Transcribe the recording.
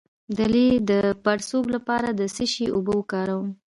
د لۍ د پړسوب لپاره د څه شي اوبه وکاروم؟